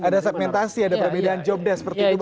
ada segmentasi ada perbedaan job desk seperti itu